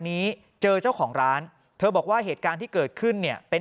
นี้เจอเจ้าของร้านเธอบอกว่าเหตุการณ์ที่เกิดขึ้นเนี่ยเป็น